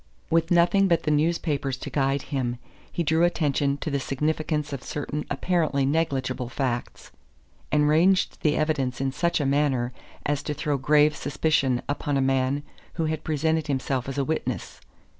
With nothing but the newspapers to guide him, he drew attention to the significance of certain apparently negligible facts, and ranged the evidence in such a manner as to throw grave suspicion upon a man who had presented himself as a witness.